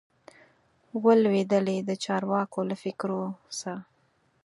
وه لوېدلي د چارواکو له فکرو سه